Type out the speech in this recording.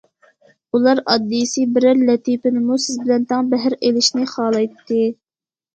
ئۇلار ئاددىيسى بىرەر لەتىپىنىمۇ سىز بىلەن تەڭ بەھر ئېلىشىنى خالايتتى.